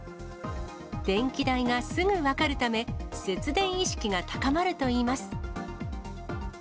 電気代がすぐ分かるため、節電意識が高まるといいます。